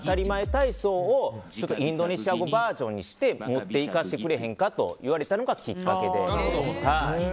体操をインドネシア語バージョンにして持っていかせてもらえへんかというのがきっかけで。